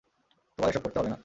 তোমার এসব করতে হবে না।